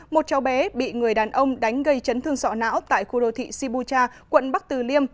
một cháu bé bị người đàn ông đánh gây chấn thương sọ não tại khu đô thị sibu cha quận bắc từ liêm